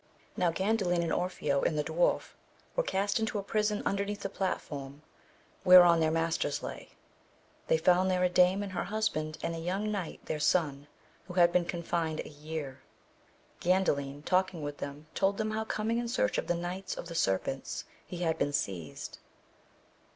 Now Gandalin and Orfeo and the Dwarf were cast into a prison underneath the platform whereon their masters lay. They found there a dame and her hus AMADIS OF GAUL. 225 band, and a young knight their son, who had been there confined a year. Gandalin talking with them told them how coming in search of the Knights of the Ser pents he had been seized.